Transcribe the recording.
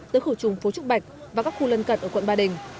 tới khử trùng phố trúc bạch và các khu lân cận ở quận ba đình